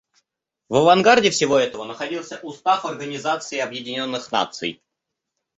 В авангарде всего этого находился Устав Организации Объединенных Наций.